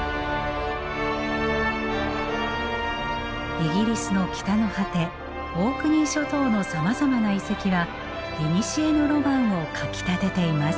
イギリスの北の果てオークニー諸島のさまざまな遺跡はいにしえのロマンをかきたてています。